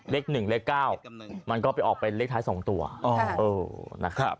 เลข๑เลข๙มันก็ไปออกเป็นเลขท้าย๒ตัวนะครับ